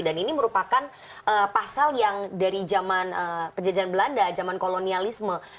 dan ini merupakan pasal yang dari zaman penjajahan belanda zaman kolonialisme